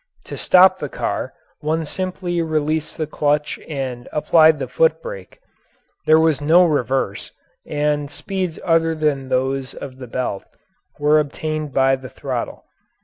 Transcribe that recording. To stop the car one simply released the clutch and applied the foot brake. There was no reverse, and speeds other than those of the belt were obtained by the throttle.